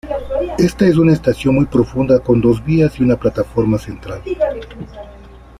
Esta es una estación muy profunda con dos vías y una plataforma central.